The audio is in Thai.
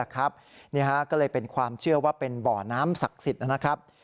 ก็เลยเป็นความเชื่อว่าเป็นบ่อน้ำศักดิ์สิทธิ์นะครับ